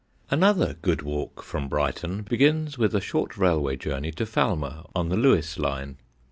Another good walk from Brighton begins with a short railway journey to Falmer on the Lewes line.